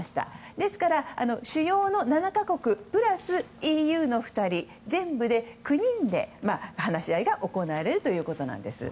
ですから主要の７か国プラスＥＵの２人全部で９人で話し合いが行われるということなんです。